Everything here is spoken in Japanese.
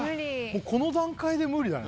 この段階で無理だね。